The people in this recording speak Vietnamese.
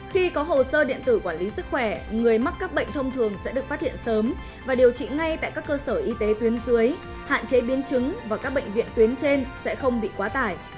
khi có hồ sơ điện tử quản lý sức khỏe người mắc các bệnh thông thường sẽ được phát hiện sớm và điều trị ngay tại các cơ sở y tế tuyến dưới hạn chế biến chứng và các bệnh viện tuyến trên sẽ không bị quá tải